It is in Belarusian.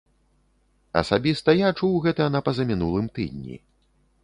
Асабіста я чуў гэта на пазамінулым тыдні.